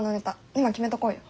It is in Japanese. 今決めとこうよ。